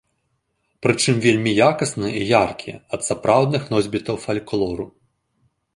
Пры чым вельмі якасныя і яркія ад сапраўдных носьбітаў фальклору.